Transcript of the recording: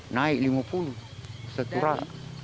naik lima puluh seterak